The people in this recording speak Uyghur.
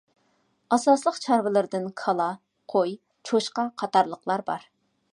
ئاساسلىق چارۋىلىرىدىن كالا، قوي، چوشقا قاتارلىقلار بار.